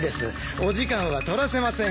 お時間は取らせません。